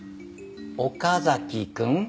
岡崎くん。